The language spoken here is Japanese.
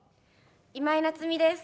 今井菜津美です。